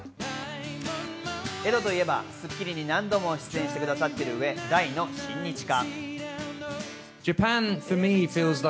エドといえば『スッキリ』に何度も出演してくださっている上、大の親日家。